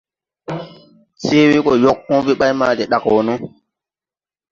Se we go yoʼ õõbe bay ma de daʼ wɔ no.